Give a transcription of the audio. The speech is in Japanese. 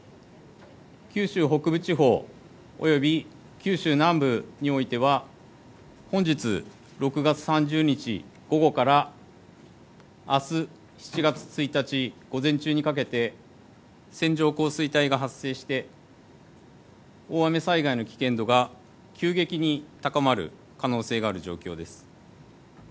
九州北部地方および九州南部においては、本日６月３０日午後からあす７月１日午前中にかけて、線状降水帯が発生して、大雨災害の危険度が急激に高まる可能性がある状況です。